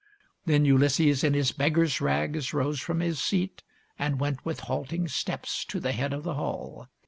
Then Ulysses in his beggar's rags rose from his PENELOPE'S WEB 175 seat and went with halting steps to the head of the hall.